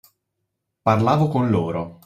Parlavo con loro